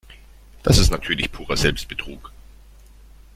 Das ist natürlich purer Selbstbetrug.